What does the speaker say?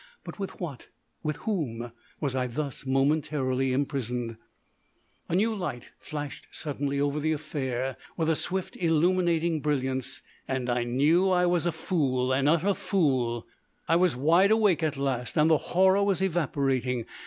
But with what, with whom, was I thus momentarily imprisoned? A new light flashed suddenly over the affair with a swift, illuminating brilliance and I knew I was a fool, an utter fool! I was wide awake at last, and the horror was evaporating.